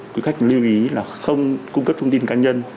quý khách lưu ý là không cung cấp thông tin cá nhân